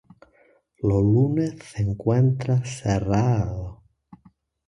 Los lunes se encuentra cerrado.